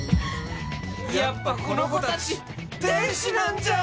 やっぱこの子たち天使なんじゃん！